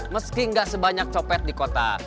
meski nggak sebanyak copet di kota